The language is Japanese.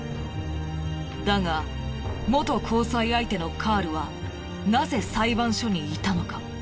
だが元交際相手のカールはなぜ裁判所にいたのか？